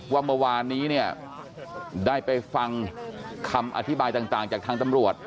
ว่าเมื่อวานนี้เนี่ยได้ไปฟังคำอธิบายต่างจากทางตำรวจ